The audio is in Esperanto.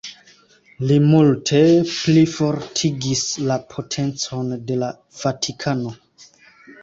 Li multe plifortigis la potencon de la Vatikano.